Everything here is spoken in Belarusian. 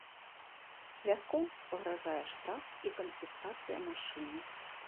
Вяскоўцу пагражае штраф і канфіскацыя машыны.